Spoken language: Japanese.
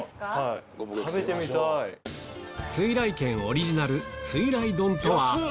酔来軒オリジナル酔来丼とは？